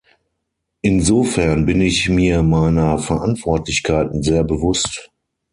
Insofern bin ich mir meiner Verantwortlichkeiten sehr bewusst.